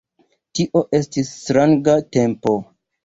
Tio estis stranga tempo!